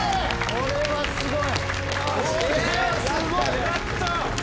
これはすごい！